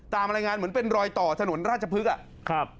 ตามรายงานเหมือนเป็นรอยต่อถนนราชพฤกษะครับ